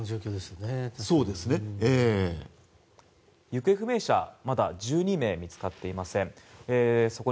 行方不明者はまだ１２名見つかっていません。